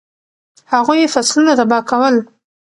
هغوی فصلونه تباه کول.